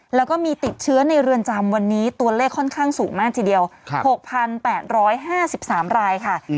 แล้วก็มีติดเชื้อในเรือนจำวันนี้ตัวเลขค่อนข้างสูงมากทีเดียว๖๘๕๓รายค่ะ